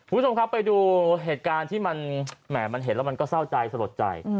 คุณผู้ชมครับไปดูเหตุการณ์ที่มันแหม่มันเห็นแล้วมันก็เศร้าใจสลดใจ